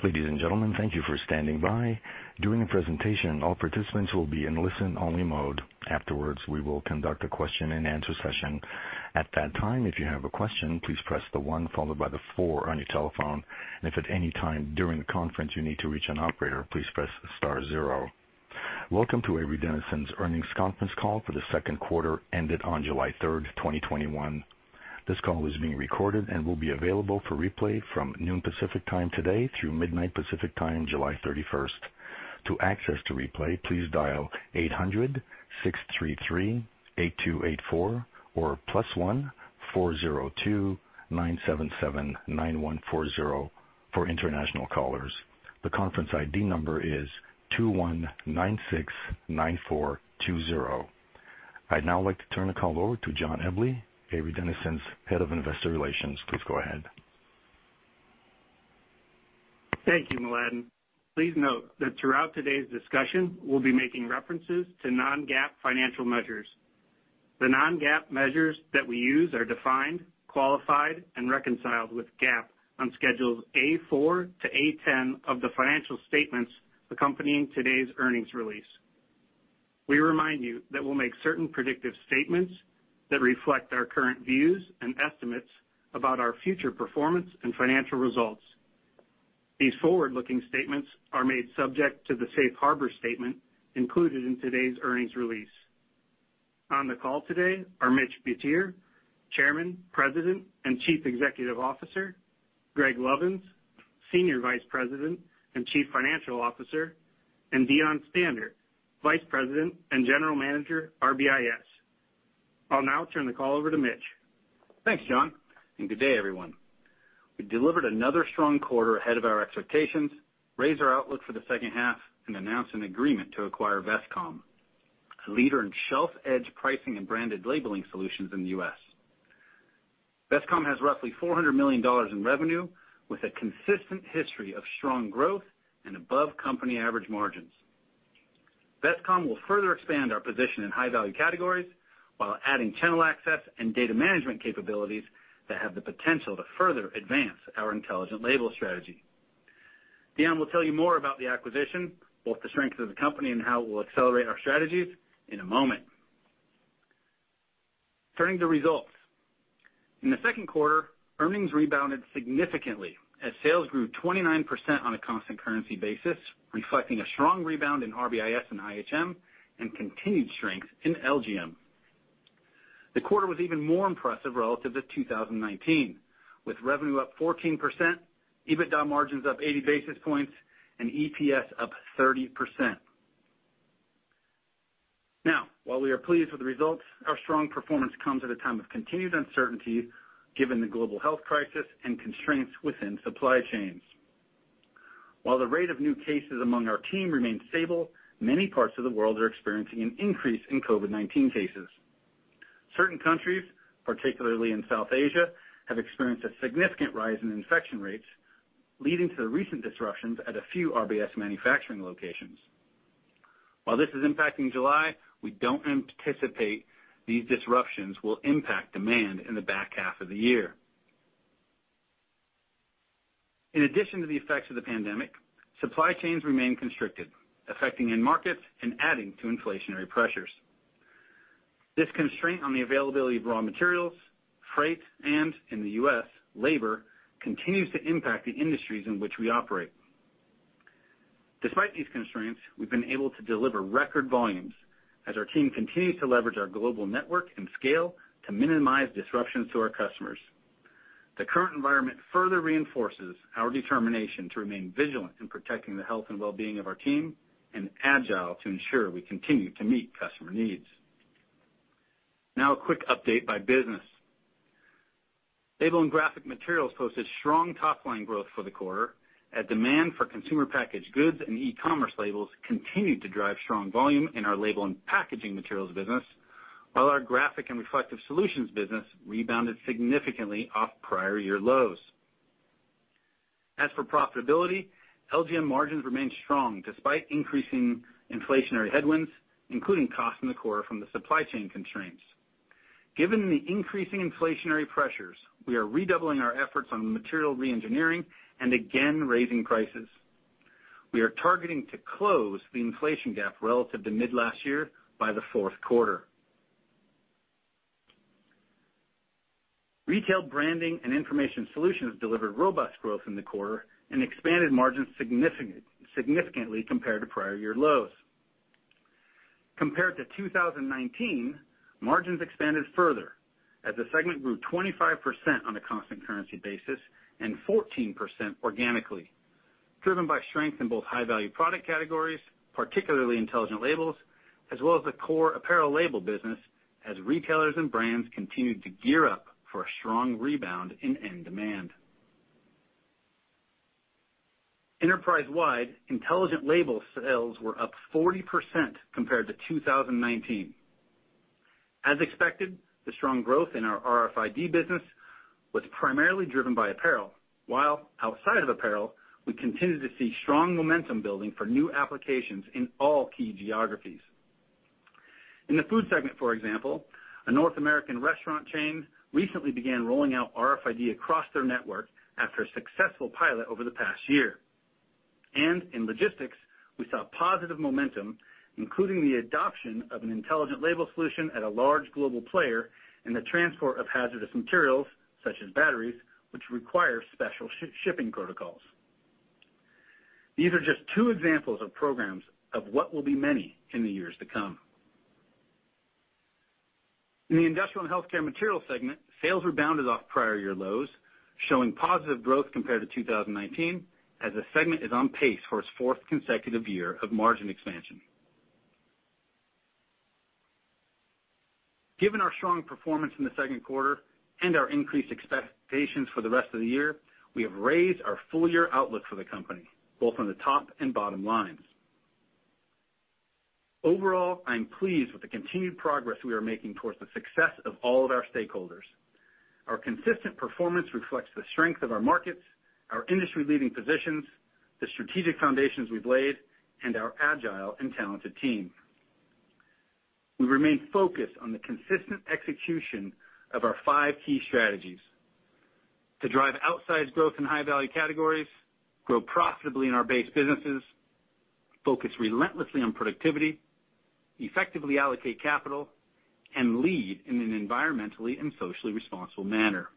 Ladies and gentlemen, thank you for standing by. During the presentation, all participants will be in listen-only mode. Afterwards, we will conduct a question-and-answer session. At that time, if you have a question, please press the one followed by the four on your telephone. If at any time during the conference you need to reach an operator, please press star zero. Welcome to Avery Dennison's earnings conference call for the second quarter ended on July 3, 2021. This call is being recorded and will be available for replay from noon Pacific Time today through midnight Pacific Time, July 31. To access the replay, please dial eight zero zero-six three three-eight two eight four or plus one four zero two nine seven seven nine one four zero for international callers. The conference ID number is two one nine six nine four two zero. I'd now like to turn the call over to John Eble, Avery Dennison's Head of Investor Relations, please go ahead. Thank you, Mladen. Please note that throughout today's discussion, we'll be making references to non-GAAP financial measures. The non-GAAP measures that we use are defined, qualified, and reconciled with GAAP on Schedules A4 to A10 of the financial statements accompanying today's earnings release. We remind you that we'll make certain predictive statements that reflect our current views and estimates about our future performance and financial results. These forward-looking statements are made subject to the safe harbor statement included in today's earnings release. On the call today are Mitch Butier, Chairman, President, and Chief Executive Officer; Greg Lovins, Senior Vice President and Chief Financial Officer; and Deon Stander, Vice President and General Manager, RBIS. I'll now turn the call over to Mitch. Thanks, John, and good day everyone? We delivered another strong quarter ahead of our expectations, raised our outlook for the second half, and announced an agreement to acquire Vestcom, a leader in shelf-edge pricing and branded labeling solutions in the U.S. Vestcom has roughly $400 million in revenue, with a consistent history of strong growth and above-company average margins. Vestcom will further expand our position in high-value categories while adding channel access and data management capabilities that have the potential to further advance our Intelligent Labels strategy. Deon will tell you more about the acquisition, both the strength of the company and how it will accelerate our strategies in a moment. Turning to results. In the second quarter, earnings rebounded significantly as sales grew 29% on a constant currency basis, reflecting a strong rebound in RBIS and IHM and continued strength in LGM. The quarter was even more impressive relative to 2019, with revenue up 14%, EBITDA margins up 80 basis points, and EPS up 30%. Now, while we are pleased with the results, our strong performance comes at a time of continued uncertainty given the global health crisis and constraints within supply chains. While the rate of new cases among our team remains stable, many parts of the world are experiencing an increase in COVID-19 cases. Certain countries, particularly in South Asia, have experienced a significant rise in infection rates, leading to the recent disruptions at a few RBIS manufacturing locations. While this is impacting July, we don't anticipate these disruptions will impact demand in the back half of the year. In addition to the effects of the pandemic, supply chains remain constricted, affecting end markets and adding to inflationary pressures. This constraint on the availability of raw materials, freight, and in the U.S., labor, continues to impact the industries in which we operate. Despite these constraints, we've been able to deliver record volumes as our team continues to leverage our global network and scale to minimize disruptions to our customers. The current environment further reinforces our determination to remain vigilant in protecting the health and wellbeing of our team and agile to ensure we continue to meet customer needs. Now a quick update by business. Label and Graphic Materials posted strong top-line growth for the quarter as demand for consumer packaged goods and E-commerce labels continued to drive strong volume in our label and packaging materials business, while our graphic and reflective solutions business rebounded significantly off prior year lows. As for profitability, LGM margins remained strong despite increasing inflationary headwinds, including costs in the quarter from the supply chain constraints. Given the increasing inflationary pressures, we are redoubling our efforts on material reengineering and again raising prices. We are targeting to close the inflation gap relative to mid-last year by the fourth quarter. Retail Branding and Information Solutions delivered robust growth in the quarter and expanded margins significantly compared to prior year lows. Compared to 2019, margins expanded further as the segment grew 25% on a constant currency basis and 14% organically, driven by strength in both high-value product categories, particularly Intelligent Labels, as well as the core apparel label business as retailers and brands continued to gear up for a strong rebound in end demand. Enterprise-wide, Intelligent Label sales were up 40% compared to 2019. As expected, the strong growth in our RFID business was primarily driven by apparel, while outside of apparel, we continued to see strong momentum building for new applications in all key geographies. In the food segment, for example, a North American restaurant chain recently began rolling out RFID across their network after a successful pilot over the past year. In logistics, we saw positive momentum, including the adoption of an Intelligent Labels Solution at a large global player in the transport of hazardous materials such as batteries, which require special shipping protocols. These are just two examples of programs of what will be many in the years to come. In the Industrial and Healthcare Materials segment, sales rebounded off prior year lows, showing positive growth compared to 2019, as the segment is on pace for its fourth consecutive year of margin expansion. Given our strong performance in the second quarter and our increased expectations for the rest of the year, we have raised our full-year outlook for the company, both on the top and bottom lines. Overall, I am pleased with the continued progress we are making towards the success of all of our stakeholders. Our consistent performance reflects the strength of our markets, our industry-leading positions, the strategic foundations we've laid, and our agile and talented team. We remain focused on the consistent execution of our five key strategies. To drive outsized growth in high-value categories, grow profitably in our base businesses, focus relentlessly on productivity, effectively allocate capital, and lead in an environmentally and socially responsible manner.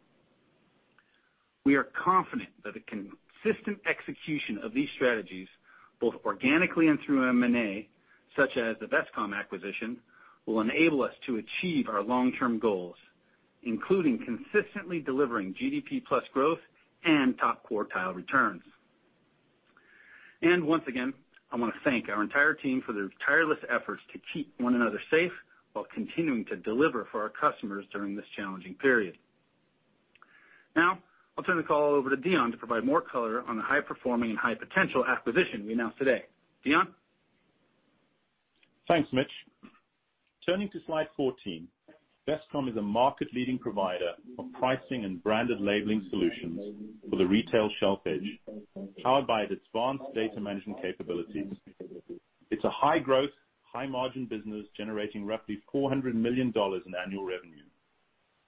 We are confident that the consistent execution of these strategies, both organically and through M&A, such as the Vestcom acquisition, will enable us to achieve our long-term goals, including consistently delivering GDP plus growth and top-quartile returns. Once again, I want to thank our entire team for their tireless efforts to keep one another safe while continuing to deliver for our customers during this challenging period. Now, I'll turn the call over to Deon to provide more color on the high-performing and high-potential acquisition we announced today. Deon? Thanks, Mitch. Turning to slide 14, Vestcom is a market-leading provider of pricing and branded labeling solutions for the retail shelf edge, powered by its advanced data management capabilities. It's a high-growth, high-margin business generating roughly $400 million in annual revenue.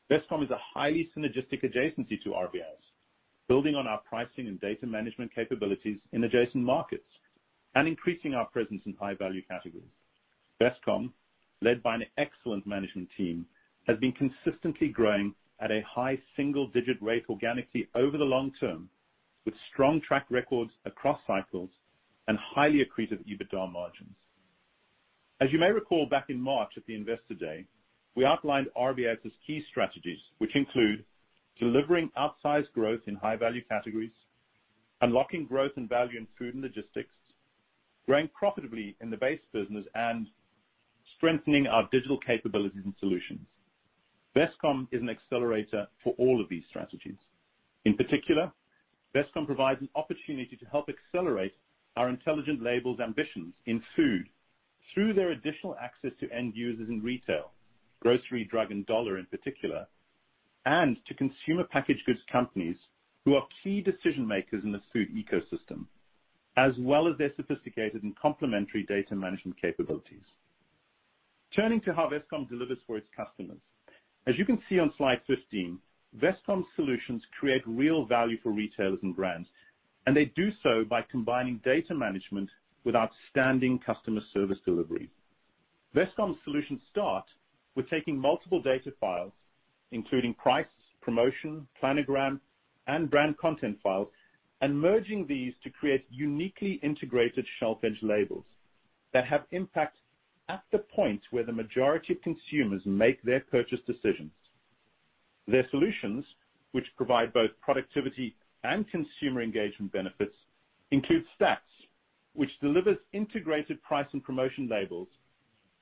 Vestcom is a highly synergistic adjacency to RBIS, building on our pricing and data management capabilities in adjacent markets and increasing our presence in high-value categories. Vestcom, led by an excellent management team, has been consistently growing at a high single-digit rate organically over the long term, with strong track records across cycles and highly accretive EBITDA margins. As you may recall, back in March at the Investor Day, we outlined RBIS's key strategies, which include delivering outsized growth in high-value categories, unlocking growth and value in food and logistics, growing profitably in the base business, and strengthening our digital capabilities and solutions. Vestcom is an accelerator for all of these strategies. In particular, Vestcom provides an opportunity to help accelerate our Intelligent Labels ambitions in food through their additional access to end users in retail, grocery, drug, and dollar in particular, and to consumer packaged goods companies who are key decision-makers in the food ecosystem, as well as their sophisticated and complementary data management capabilities. Turning to how Vestcom delivers for its customers. As you can see on slide 15, Vestcom solutions create real value for retailers and brands, and they do so by combining data management with outstanding customer service delivery. Vestcom solutions start with taking multiple data files, including price, promotion, planogram, and brand content files, and merging these to create uniquely integrated shelf edge labels that have impact at the point where the majority of consumers make their purchase decisions. Their solutions, which provide both productivity and consumer engagement benefits, include stackz, which delivers integrated price and promotion labels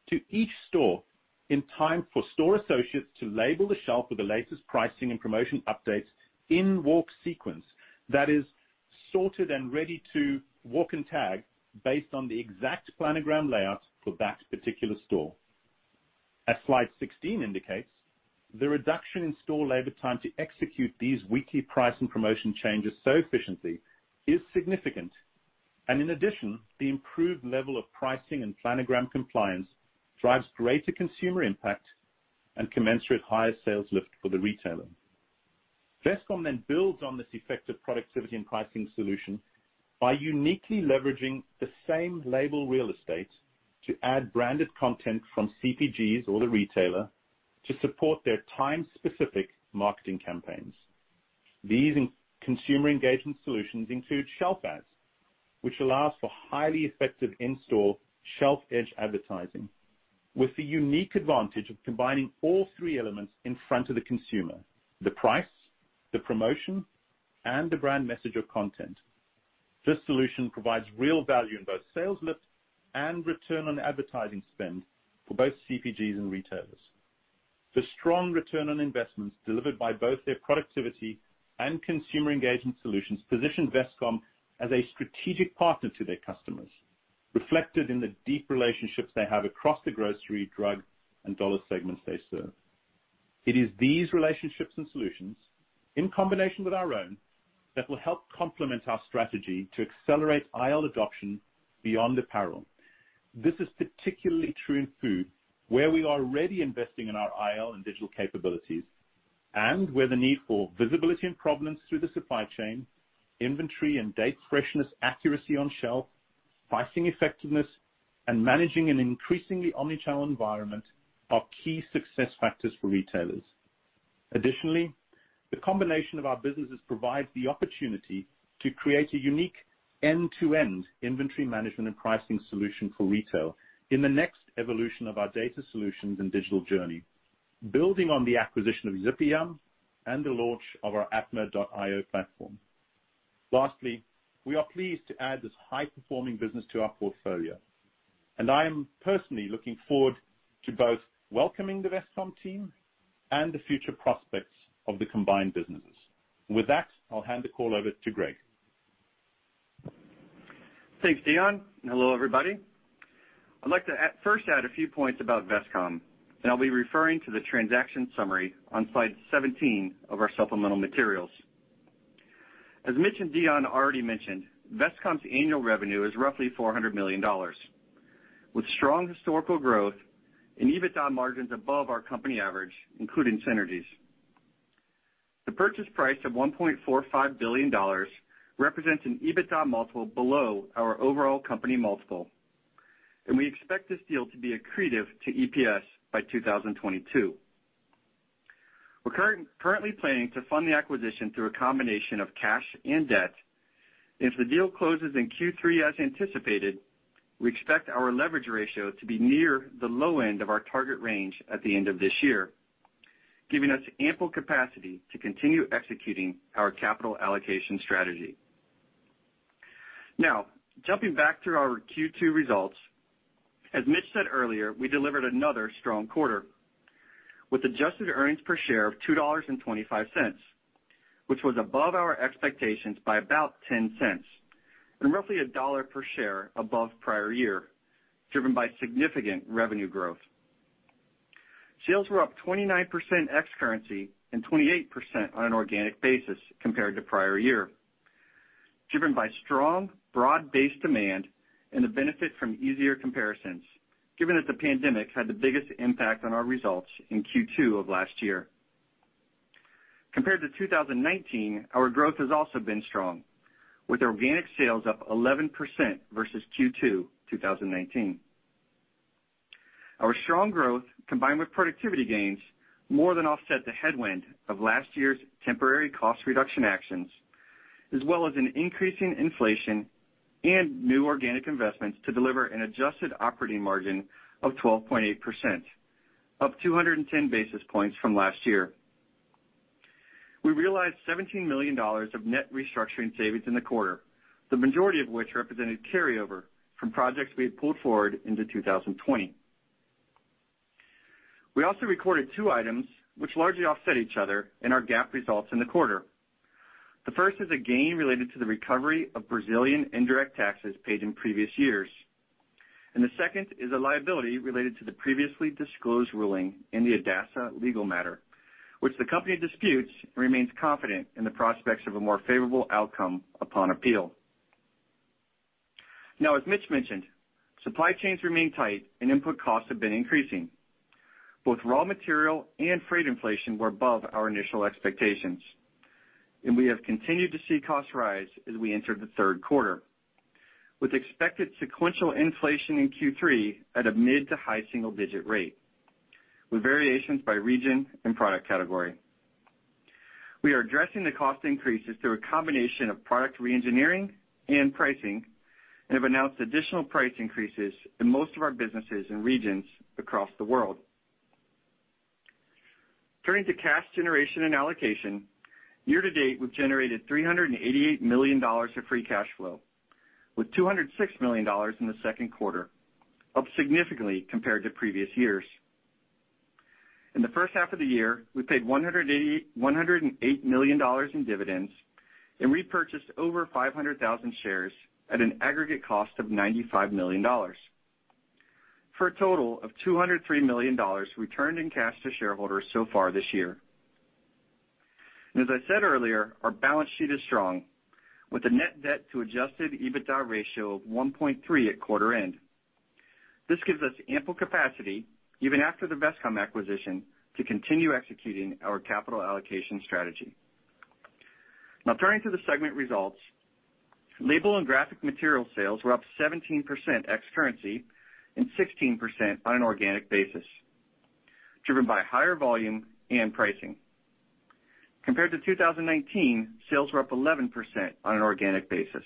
to each store in time for store associates to label the shelf with the latest pricing and promotion updates in-walk sequence that is sorted and ready to walk and tag based on the exact planogram layout for that particular store. As slide 16 indicates, the reduction in store labor time to execute these weekly price and promotion changes so efficiently is significant. In addition, the improved level of pricing and planogram compliance drives greater consumer impact and commensurate higher sales lift for the retailer. Vestcom then builds on this effective productivity and pricing solution by uniquely leveraging the same label real estate to add branded content from CPGs or the retailer to support their time-specific marketing campaigns. These consumer engagement solutions include shelfAdz, which allows for highly effective in-store shelf edge advertising with the unique advantage of combining all three elements in front of the consumer, the price, the promotion, and the brand message or content. This solution provides real value in both sales lift and return on advertising spend for both CPGs and retailers. The strong return on investments delivered by both their productivity and consumer engagement solutions position Vestcom as a strategic partner to their customers, reflected in the deep relationships they have across the grocery, drug, and dollar segments they serve. It is these relationships and solutions, in combination with our own, that will help complement our strategy to accelerate IL adoption beyond apparel. This is particularly true in food, where we are already investing in our IL and digital capabilities, and where the need for visibility and provenance through the supply chain, inventory and date freshness accuracy on shelf, pricing effectiveness, and managing an increasingly omni-channel environment are key success factors for retailers. Additionally, the combination of our businesses provides the opportunity to create a unique end-to-end inventory management and pricing solution for retail in the next evolution of our data solutions and digital journey, building on the acquisition of ZippyYum and the launch of our atma.io platform. Lastly, we are pleased to add this high-performing business to our portfolio, and I am personally looking forward to both welcoming the Vestcom team and the future prospects of the combined businesses. With that, I'll hand the call over to Greg. Thanks, Deon. Hello everybody? I'd like to first add a few points about Vestcom, and I'll be referring to the transaction summary on slide 17 of our supplemental materials. As Mitch and Deon already mentioned, Vestcom's annual revenue is roughly $400 million, with strong historical growth and EBITDA margins above our company average, including synergies. The purchase price of $1.45 billion represents an EBITDA multiple below our overall company multiple, and we expect this deal to be accretive to EPS by 2022. We're currently planning to fund the acquisition through a combination of cash and debt. If the deal closes in Q3 as anticipated, we expect our leverage ratio to be near the low end of our target range at the end of this year, giving us ample capacity to continue executing our capital allocation strategy. Jumping back to our Q2 results. As Mitch said earlier, we delivered another strong quarter with adjusted earnings per share of $2.25, which was above our expectations by about $0.10, and roughly $1 per share above prior year, driven by significant revenue growth. Sales were up 29% ex currency and 28% on an organic basis compared to prior year, driven by strong, broad-based demand and the benefit from easier comparisons, given that the pandemic had the biggest impact on our results in Q2 of last year. Compared to 2019, our growth has also been strong, with organic sales up 11% versus Q2 2019. Our strong growth, combined with productivity gains, more than offset the headwind of last year's temporary cost reduction actions, as well as an increasing inflation and new organic investments to deliver an adjusted operating margin of 12.8%, up 210 basis points from last year. We realized $17 million of net restructuring savings in the quarter, the majority of which represented carryover from projects we had pulled forward into 2020. We also recorded two items which largely offset each other in our GAAP results in the quarter. The first is a gain related to the recovery of Brazilian indirect taxes paid in previous years. The second is a liability related to the previously disclosed ruling in the ADASA legal matter, which the company disputes and remains confident in the prospects of a more favorable outcome upon appeal. Now, as Mitch mentioned, supply chains remain tight and input costs have been increasing. Both raw material and freight inflation were above our initial expectations, and we have continued to see costs rise as we enter the third quarter, with expected sequential inflation in Q3 at a mid- to high single-digit rate, with variations by region and product category. We are addressing the cost increases through a combination of product re-engineering and pricing and have announced additional price increases in most of our businesses and regions across the world. Turning to cash generation and allocation. Year-to-date, we've generated $388 million of free cash flow, with $206 million in the second quarter, up significantly compared to previous years. In the first half of the year, we paid $108 million in dividends and repurchased over 500,000 shares at an aggregate cost of $95 million, for a total of $203 million returned in cash to shareholders so far this year. As I said earlier, our balance sheet is strong, with a net debt to adjusted EBITDA ratio of 1.3 at quarter-end. This gives us ample capacity, even after the Vestcom acquisition, to continue executing our capital allocation strategy. Now turning to the segment results. Label and Graphic Materials sales were up 17% ex currency and 16% on an organic basis, driven by higher volume and pricing. Compared to 2019, sales were up 11% on an organic basis.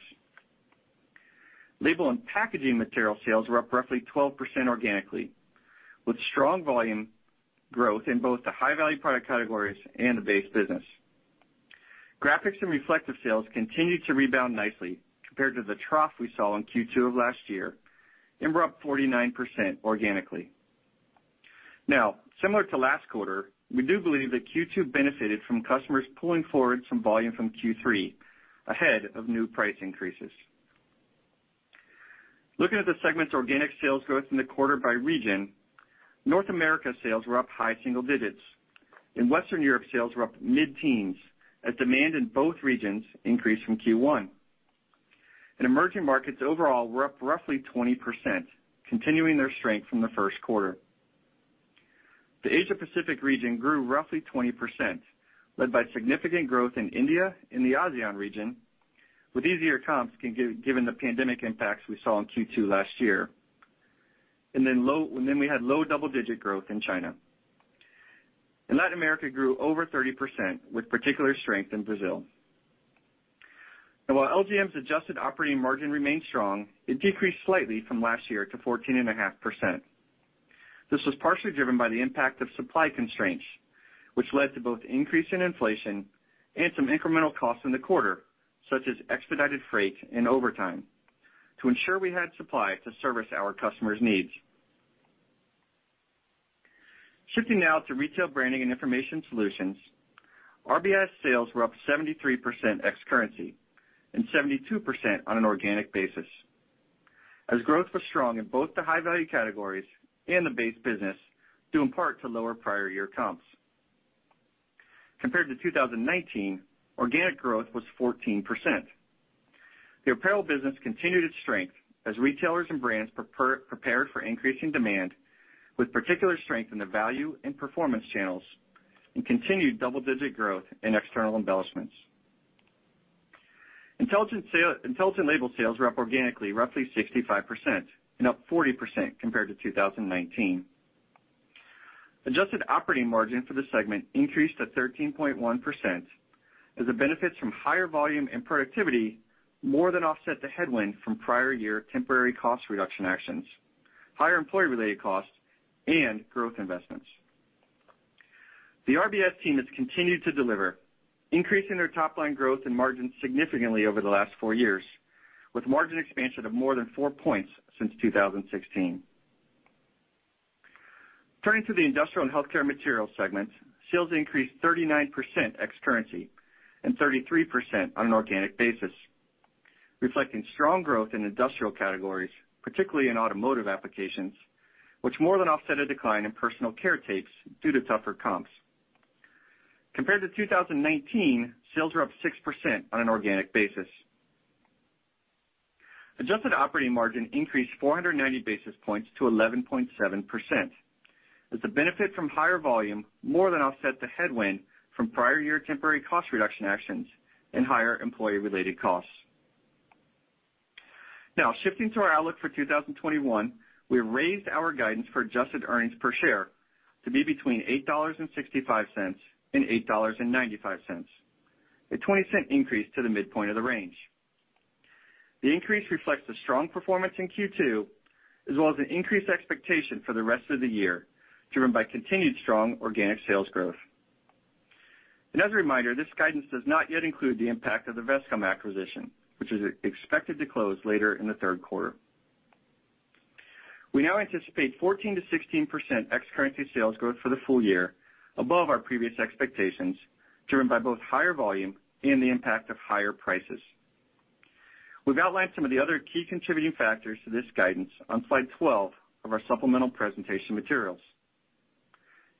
Label and packaging material sales were up roughly 12% organically, with strong volume growth in both the high-value product categories and the base business. Graphics and reflective sales continued to rebound nicely compared to the trough we saw in Q2 of last year and were up 49% organically. Similar to last quarter, we do believe that Q2 benefited from customers pulling forward some volume from Q3 ahead of new price increases. Looking at the segment's organic sales growth in the quarter by region, North America sales were up high single digits. Western Europe, sales were up mid-teens, as demand in both regions increased from Q1. Emerging markets overall, were up roughly 20%, continuing their strength from the first quarter. Asia Pacific region grew roughly 20%, led by significant growth in India and the ASEAN region, with easier comps given the pandemic impacts we saw in Q2 last year. We had low double-digit growth in China. Latin America grew over 30% with particular strength in Brazil. While LGM's adjusted operating margin remained strong, it decreased slightly from last year to 14.5%. This was partially driven by the impact of supply constraints, which led to both increase in inflation and some incremental costs in the quarter, such as expedited freight and overtime to ensure we had supply to service our customers' needs. Shifting now to Retail Branding and Information Solutions. RBIS sales were up 73% ex currency and 72% on an organic basis. As growth was strong in both the high-value categories and the base business, due in part to lower prior year comps. Compared to 2019, organic growth was 14%. The apparel business continued its strength as retailers and brands prepared for increasing demand, with particular strength in the value and performance channels and continued double-digit growth in external embellishments. Intelligent Labels sales were up organically roughly 65% and up 40% compared to 2019. Adjusted operating margin for the segment increased to 13.1% as the benefits from higher volume and productivity more than offset the headwind from prior year temporary cost reduction actions, higher employee-related costs, and growth investments. The RBIS team has continued to deliver, increasing their top-line growth and margin significantly over the last four years, with margin expansion of more than 4 points since 2016. Turning to the Industrial and Healthcare Materials segment, sales increased 39% ex currency and 33% on an organic basis, reflecting strong growth in industrial categories, particularly in automotive applications, which more than offset a decline in personal care tapes due to tougher comps. Compared to 2019, sales are up 6% on an organic basis. Adjusted operating margin increased 490 basis points to 11.7%, as the benefit from higher volume more than offset the headwind from prior year temporary cost reduction actions and higher employee-related costs. Shifting to our outlook for 2021, we have raised our guidance for adjusted earnings per share to be between $8.65 and $8.95, a $0.20 increase to the midpoint of the range. The increase reflects the strong performance in Q2, as well as an increased expectation for the rest of the year, driven by continued strong organic sales growth. As a reminder, this guidance does not yet include the impact of the Vestcom acquisition, which is expected to close later in the third quarter. We now anticipate 14%-16% ex-currency sales growth for the full year above our previous expectations, driven by both higher volume and the impact of higher prices. We've outlined some of the other key contributing factors to this guidance on slide 12 of our supplemental presentation materials.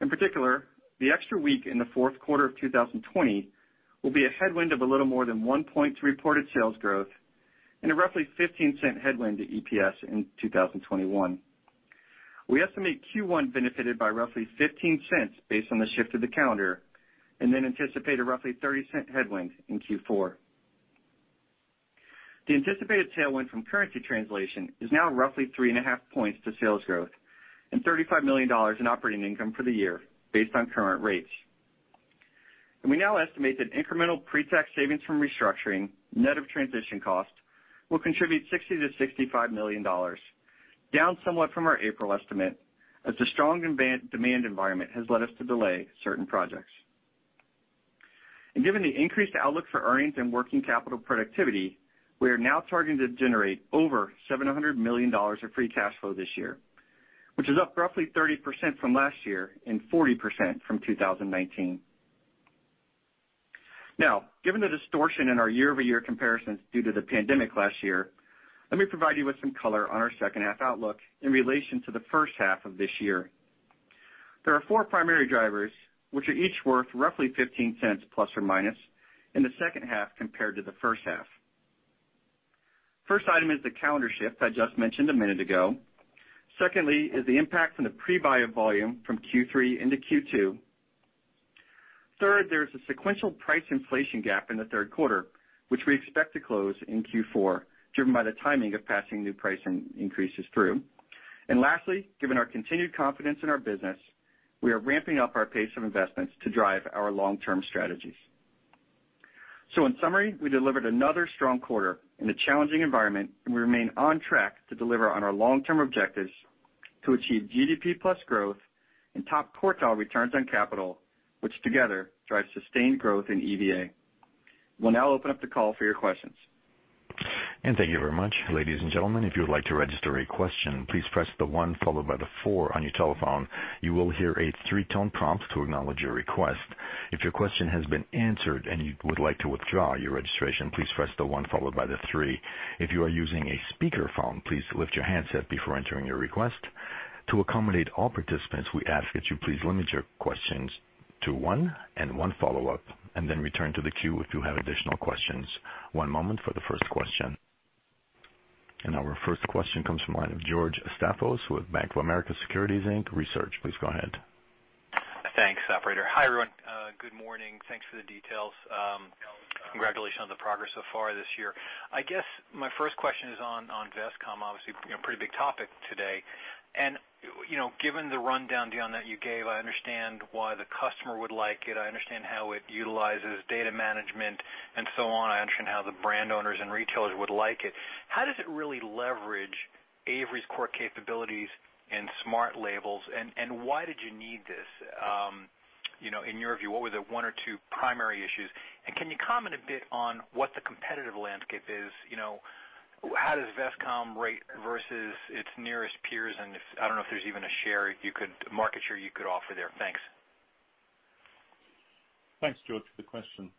In particular, the extra week in the fourth quarter of 2020 will be a headwind of a little more than one point to reported sales growth and a roughly $0.15 headwind to EPS in 2021. We estimate Q1 benefited by roughly $0.15 based on the shift of the calendar, and then anticipate a roughly $0.30 headwind in Q4. The anticipated tailwind from currency translation is now roughly 3.5 points to sales growth and $35 million in operating income for the year based on current rates. We now estimate that incremental pre-tax savings from restructuring, net of transition cost, will contribute $60 million-$65 million, down somewhat from our April estimate, as the strong demand environment has led us to delay certain projects. Given the increased outlook for earnings and working capital productivity, we are now targeting to generate over $700 million of free cash flow this year, which is up roughly 30% from last year and 40% from 2019. Given the distortion in our year-over-year comparisons due to the pandemic last year, let me provide you with some color on our second half outlook in relation to the first half of this year. There are four primary drivers which are each worth roughly $0.15 ± in the second half compared to the first half. First item is the calendar shift I just mentioned a minute ago. Secondly is the impact from the pre-buy volume from Q3 into Q2. Third, there is a sequential price inflation gap in the third quarter, which we expect to close in Q4, driven by the timing of passing new price increases through. Lastly, given our continued confidence in our business, we are ramping up our pace of investments to drive our long-term strategies. In summary, we delivered another strong quarter in a challenging environment, and we remain on track to deliver on our long-term objectives to achieve GDP plus growth and top quartile returns on capital, which together drive sustained growth in EVA. We'll now open up the call for your questions. Thank you very much. Ladies and gentlemen, if you would like to register a question, please press the one followed by the four on your telephone. You will hear a three-tone prompt to acknowledge your request. If your question has been answered and you would like to withdraw your registration, please press the one followed by the three. If you are using a speakerphone, please lift your handset before entering your request. To accommodate all participants, we ask that you please limit your questions to one and one follow-up, and then return to the queue if you have additional questions. One moment for the first question. Our first question comes from the line of George Staphos with Bank of America Securities, Inc, Research, please go ahead. Thanks, operator. Hi, everyone, good morning? Thanks for the details. Congratulations on the progress so far this year. I guess, my first question is on Vestcom. Obviously, a pretty big topic today. Given the rundown, Deon, that you gave, I understand why the customer would like it, I understand how it utilizes data management and so on. I understand how the brand owners and retailers would like it. How does it really leverage Avery's core capabilities and Intelligent Labels, and why did you need this? In your view, what were the one or two primary issues? Can you comment a bit on what the competitive landscape is? How does Vestcom rate versus its nearest peers? I don't know if there's even a market share you could offer there. Thanks. Thanks, George, for the question.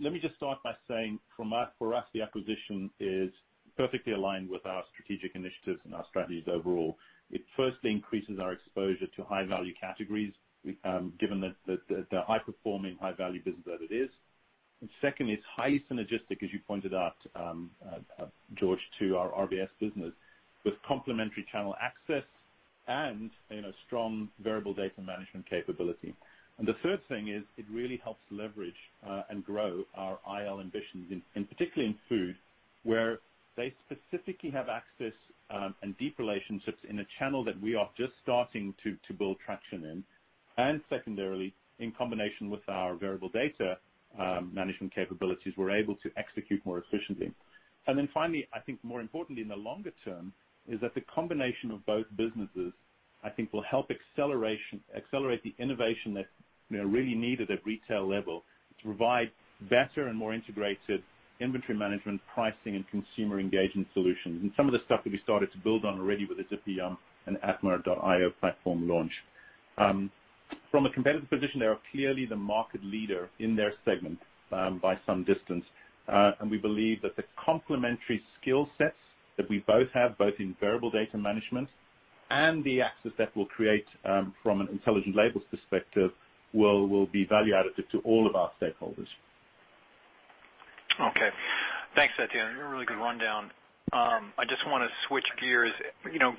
Let me just start by saying, for us, the acquisition is perfectly aligned with our strategic initiatives and our strategies overall. It firstly increases our exposure to high-value categories, given that the high-performing, high-value business that it is. Second, it's highly synergistic, as you pointed out, George, to our RBIS business, with complementary channel access and strong variable data management capability. The third thing is it really helps leverage, and grow our IL ambitions, and particularly in food, where they specifically have access, and deep relationships in a channel that we are just starting to build traction in. Secondarily, in combination with our variable data management capabilities, we're able to execute more efficiently. Finally, I think more importantly in the longer term, is that the combination of both businesses, I think will help accelerate the innovation that's really needed at retail level to provide better and more integrated inventory management, pricing, and consumer engagement solutions. Some of the stuff that we started to build on already with the ZippyYum and atma.io platform launch. From a competitive position, they are clearly the market leader in their segment, by some distance. We believe that the complementary skill sets that we both have, both in variable data management and the access that we'll create from an Intelligent Labels perspective, will be value additive to all of our stakeholders. Okay. Thanks, Deon. A really good rundown. I just want to switch gears.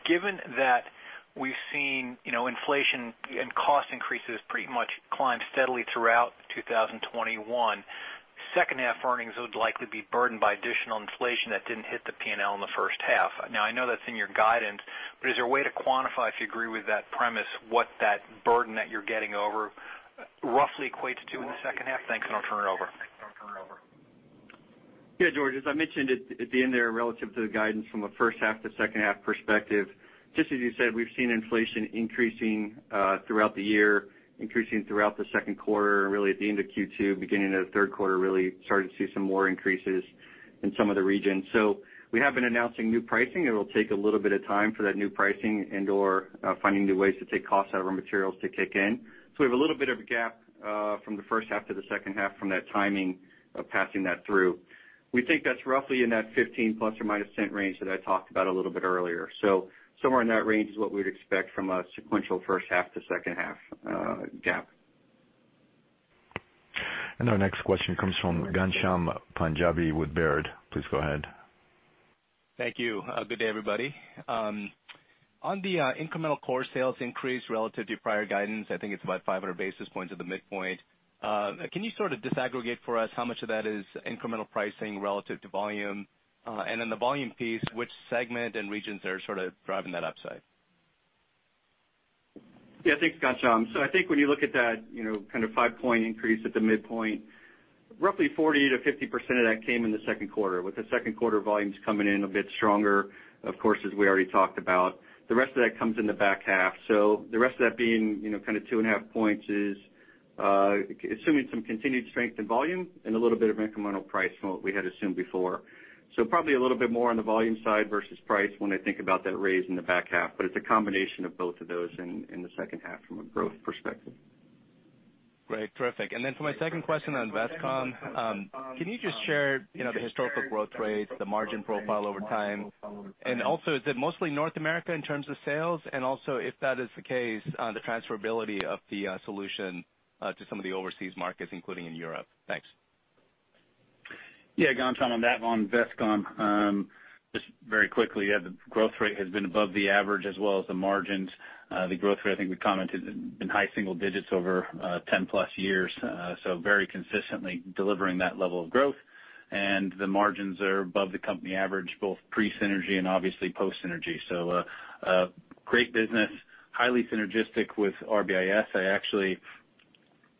Given that we've seen inflation and cost increases pretty much climb steadily throughout 2021, second half earnings would likely be burdened by additional inflation that didn't hit the P&L in the first half. Now, I know that's in your guidance, but is there a way to quantify if you agree with that premise, what that burden that you're getting over roughly equates to in the second half? Thanks, and I'll turn it over. Yeah, George. As I mentioned at the end there, relative to the guidance from a first half to second half perspective, just as you said, we've seen inflation increasing throughout the year, increasing throughout the second quarter, and really at the end of Q2, beginning of the third quarter, really started to see some more increases in some of the regions. We have been announcing new pricing. It'll take a little bit of time for that new pricing and/or finding new ways to take costs out of our materials to kick in. We have a little bit of a gap from the first half to the second half from that timing of passing that through. We think that's roughly in that $0.15± range that I talked about a little bit earlier. Somewhere in that range is what we would expect from a sequential first half to second half gap. Our next question comes from Ghansham Panjabi with Baird, please go ahead. Thank you. Good day, everybody. On the incremental core sales increase relative to prior guidance, I think it's about 500 basis points at the midpoint. Can you sort of disaggregate for us how much of that is incremental pricing relative to volume? The volume piece, which segment and regions are sort of driving that upside? Yeah, thanks, Ghansham. I think when you look at that kind of five-point increase at the midpoint, roughly 40%-50% of that came in the second quarter, with the second quarter volumes coming in a bit stronger, of course, as we already talked about. The rest of that comes in the back half. The rest of that being kind of 2.5 points is assuming some continued strength in volume and a little bit of incremental price from what we had assumed before. Probably a little bit more on the volume side versus price when I think about that raise in the back half, but it's a combination of both of those in the second half from a growth perspective. Great. Terrific. For my second question on Vestcom, can you just share the historical growth rates, the margin profile over time? Also, is it mostly North America in terms of sales? Also, if that is the case, the transferability of the solution to some of the overseas markets, including in Europe. Thanks. Yeah, Ghansham, on that, on Vestcom, just very quickly, yeah, the growth rate has been above the average as well as the margins. The growth rate, I think we commented, in high single digits over 10+ years. Very consistently delivering that level of growth. The margins are above the company average, both pre-synergy and obviously post-synergy. Great business, highly synergistic with RBIS.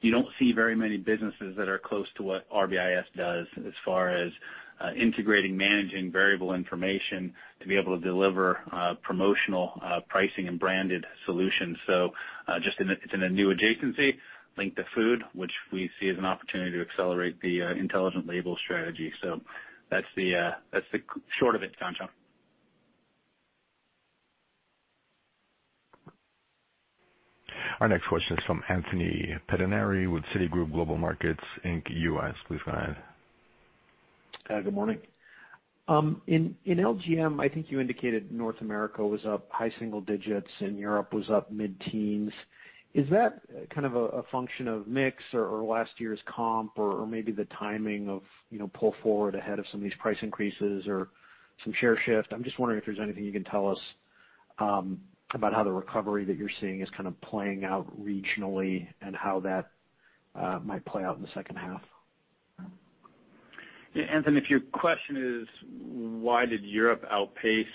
You don't see very many businesses that are close to what RBIS does as far as integrating, managing variable information to be able to deliver promotional, pricing, and branded solutions. Just it's in a new adjacency linked to food, which we see as an opportunity to accelerate the Intelligent Labels strategy. That's the short of it, Ghansham. Our next question is from Anthony Pettinari with Citigroup Global Markets Inc., please go ahead. Good morning? In LGM, I think you indicated North America was up high single digits and Europe was up mid-teens. Is that a function of mix or last year's comp or maybe the timing of pull forward ahead of some of these price increases or some share shift? I'm just wondering if there's anything you can tell us about how the recovery that you're seeing is kind of playing out regionally and how that might play out in the second half. Yeah, Anthony, if your question is, why did Europe outpace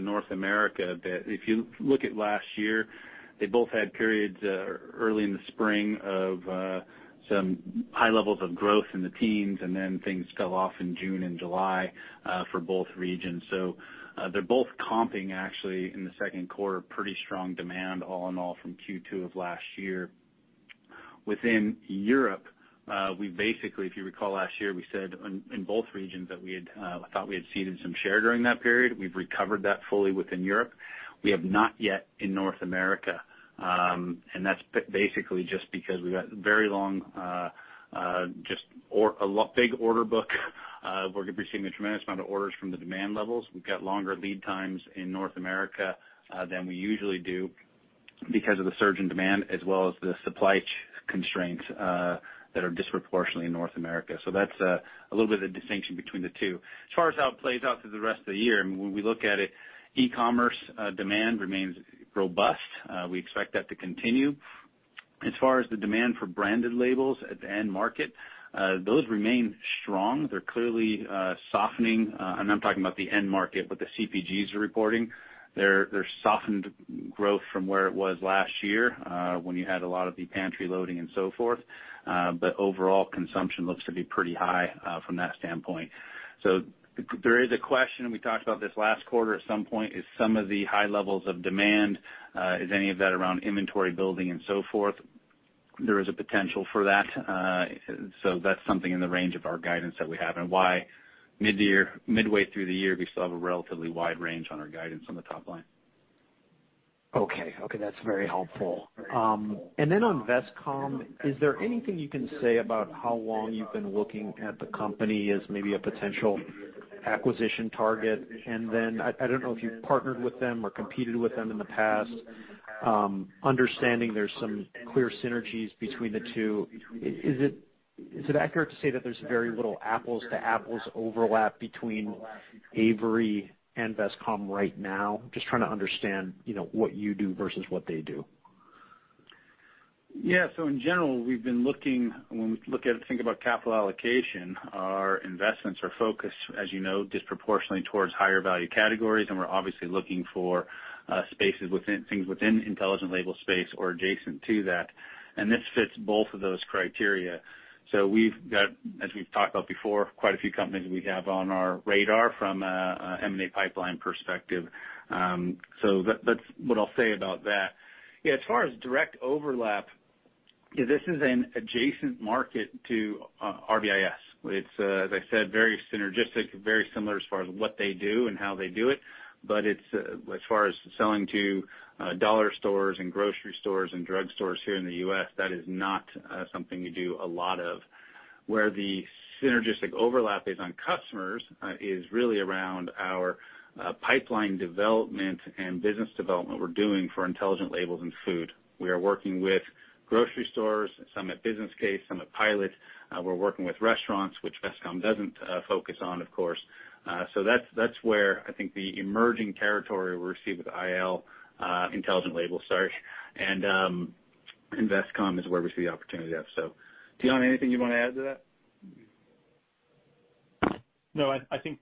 North America? If you look at last year, they both had periods early in the spring of some high levels of growth in the teens, and then things fell off in June and July for both regions. They're both comping actually in the second quarter, pretty strong demand all in all from Q2 of last year. Within Europe, we basically, if you recall last year, we said in both regions that we thought we had ceded some share during that period. We've recovered that fully within Europe. We have not yet in North America. That's basically just because we got very long, just a big order book. We're seeing a tremendous amount of orders from the demand levels. We've got longer lead times in North America than we usually do because of the surge in demand, as well as the supply constraints that are disproportionately in North America. That's a little bit of the distinction between the two. As far as how it plays out through the rest of the year, when we look at it, E-commerce demand remains robust. We expect that to continue. As far as the demand for branded labels at the end market, those remain strong. They're clearly softening, I'm talking about the end market, what the CPGs are reporting. They're softened growth from where it was last year, when you had a lot of the pantry loading and so forth. Overall consumption looks to be pretty high from that standpoint. There is a question, and we talked about this last quarter at some point, is some of the high levels of demand, is any of that around inventory building and so forth? There is a potential for that. That's something in the range of our guidance that we have and why midway through the year, we still have a relatively wide range on our guidance on the top line. Okay. That's very helpful. On Vestcom, is there anything you can say about how long you've been looking at the company as maybe a potential acquisition target? I don't know if you've partnered with them or competed with them in the past. Understanding there's some clear synergies between the two, is it accurate to say that there's very little apples-to-apples overlap between Avery and Vestcom right now? Just trying to understand what you do versus what they do. In general, when we look at and think about capital allocation, our investments are focused, as you know, disproportionately towards higher value categories, and we're obviously looking for spaces within things within Intelligent Labels or adjacent to that, and this fits both of those criteria. We've got, as we've talked about before, quite a few companies that we have on our radar from an M&A pipeline perspective. That's what I'll say about that. As far as direct overlap, this is an adjacent market to RBIS. It's, as I said, very synergistic, very similar as far as what they do and how they do it, but as far as selling to dollar stores and grocery stores and drugstores here in the U.S., that is not something we do a lot of. Where the synergistic overlap is on customers is really around our pipeline development and business development we're doing for Intelligent Labels and food. We are working with grocery stores, some at business case, some at pilot. We're working with restaurants, which Vestcom doesn't focus on, of course. That's where I think the emerging territory we see with IL, Intelligent Labels, sorry, and Vestcom is where we see the opportunity there. Deon, anything you want to add to that? No, I think